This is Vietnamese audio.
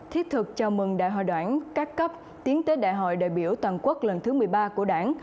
thiết thực chào mừng đại hội đoạn cát cấp tiến tới đại hội đại biểu toàn quốc lần thứ một mươi ba của đoạn